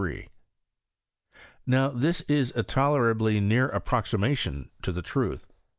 193 Now this is a tolerably near aj^iroximation to the truth.